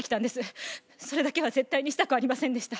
それだけは絶対にしたくありませんでした。